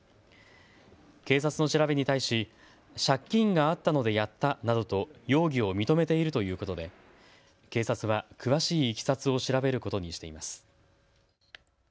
警察の調べに対し借金があったのでやったなどと容疑を認めているということで警察は詳しいいきさつを調べることにしています。